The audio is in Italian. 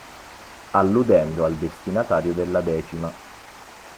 Alludendo al destinatario della decima.